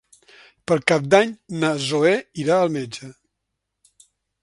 Per Cap d'Any na Zoè irà al metge.